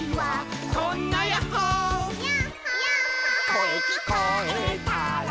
「こえきこえたら」